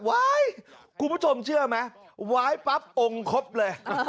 คุณผู้ชมเชื่อไหมว้ายปั๊บองค์ครบเลย